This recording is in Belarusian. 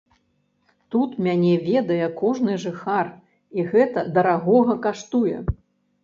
Тут мяне ведае кожны жыхар, і гэта дарагога каштуе.